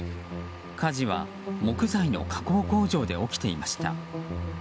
火事は木材の加工工場で起きていました。